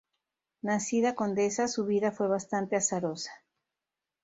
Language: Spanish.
Nacida condesa, su vida fue bastante azarosa.